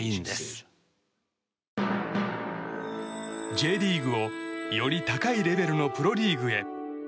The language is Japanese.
Ｊリーグをより高いレベルのプロリーグへ。